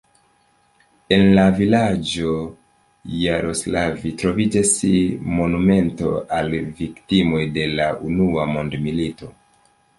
En la vilaĝo Jaroslav troviĝas monumento al viktimoj de la unua mondmilito.